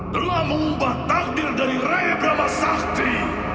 telah mengubah takdir dari raya brahma saktri